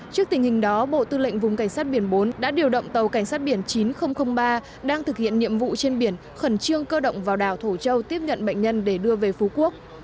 trước tình hình đó bộ tư lệnh vùng cảnh sát biển bốn đã điều động tàu cảnh sát biển chín nghìn ba đang thực hiện nhiệm vụ trên biển khẩn trương cơ động vào đảo thổ châu tiếp nhận bệnh nhân để đưa về phú quốc